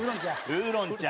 ウーロン茶。